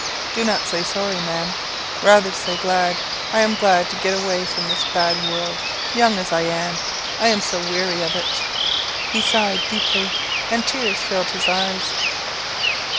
"Do not say sorry, Ma'am; rather say glad. I am glad to get away from this bad world young as I am I am so weary of it." He sighed deeply, and tears filled his eyes.